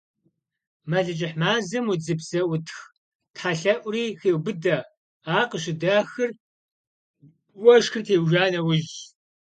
Мэлыжьыхь мазэм удзыпс зэутх тхьэлъэӀури хеубыдэ, ар къыщыдахыр уэшхыр теужа нэужьщ.